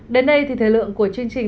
đến đây thì thời lượng của chương trình